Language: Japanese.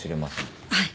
はい。